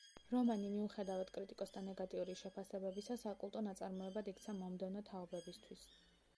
რომანი, მიუხედავად კრიტიკოსთა ნეგატიური შეფასებებისა, საკულტო ნაწარმოებად იქცა მომდევნო თაობებისთვის.